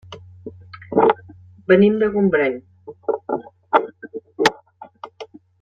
Venim de Gombrèn.